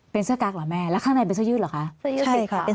เป็นเสื้อกากหรอแม่แล้วข้างในเป็นเสื้อยืดหรอคะใช่ค่ะเป็น